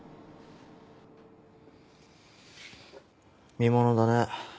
見ものだね。